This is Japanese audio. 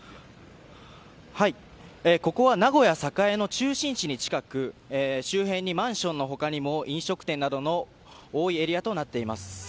ここは名古屋・栄の中心地に近く周辺にマンションの他にも飲食店などの多いエリアとなっています。